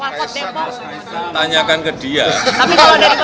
mas kaesang mau baju walcott depok